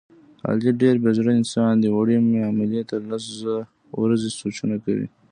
علي ډېر بې زړه انسان دی، وړې معاملې ته لس ورځې سوچونه کوي.